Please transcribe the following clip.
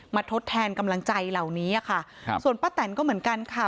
ทดแทนกำลังใจเหล่านี้อะค่ะครับส่วนป้าแตนก็เหมือนกันค่ะ